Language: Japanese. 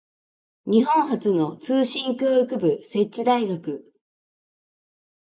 日本初の通信教育部設置大学